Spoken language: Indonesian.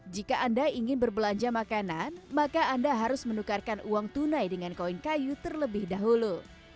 jika anda ingin berbelanja makanan maka anda harus menukarkan uang tunai dengan koin kayu terlebih dahulu